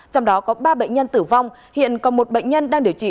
trong đó có ba bệnh nhân tử vong hiện còn một bệnh nhân đang điều trị